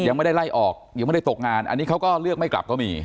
ยังไม่ได้ไล่ออกยังไม่ได้ตกงานอันนี้เขาก็เลือกไม่กลับก็มี